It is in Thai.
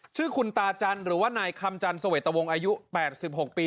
ชื่อคุณตาจันทร์หรือว่านายคำจันทร์สวัสดิ์ตะวงอายุ๘๖ปี